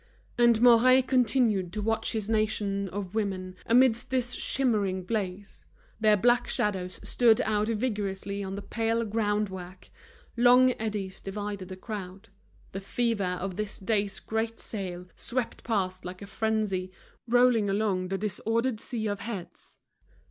And Mouret continued to watch his nation of women, amidst this shimmering blaze. Their black shadows stood out vigorously on the pale ground work. Long eddies divided the crowd; the fever of this day's great sale swept past like a frenzy, rolling along the disordered sea of heads.